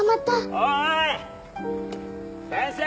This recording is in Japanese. おーい先生！